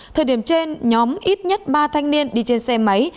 thời điểm trên nhóm ít nhất ba thanh niên đi trên xe máy